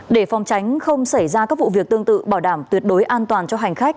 để phòng tránh không xảy ra các vụ việc tương tự bảo đảm tuyệt đối an toàn cho hành khách